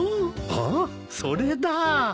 ああそれだ！